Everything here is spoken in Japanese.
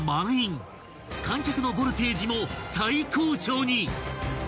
［観客のボルテージも最高潮に！］